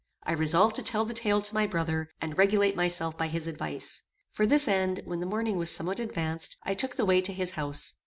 I resolved to tell the tale to my brother, and regulate myself by his advice. For this end, when the morning was somewhat advanced, I took the way to his house.